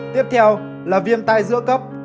tiếp theo là viêm tai dữa cấp